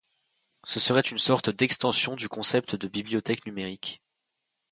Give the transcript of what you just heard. Ce serait une sorte d'extension du concept de bibliothèque numérique.